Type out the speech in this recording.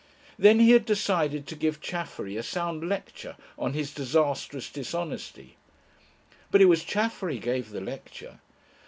Then he had decided to give Chaffery a sound lecture on his disastrous dishonesty. But it was Chaffery gave the lecture.